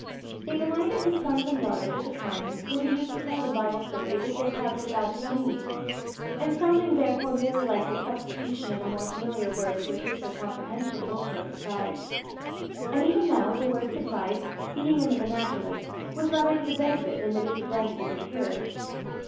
It reminded his sons and daughters of the time when he used to tell them Bible stories as they crowded about his knees; and sounding therefore merely like the substitution of a more familiar word to assist their comprehension, woke no surprise. And even now, the word supplied, being in the vernacular, was rather to the benefit than the disadvantage of his hearers.